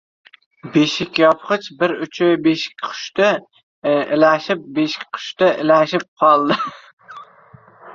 Beshikyopg‘ich bir uchi beshikqushda ilashib-beshikqushda ilashib qoldi.